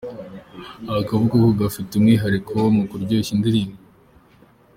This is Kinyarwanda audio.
Akaboko ke gafite umwihariko mu kuryoshya indirimbo….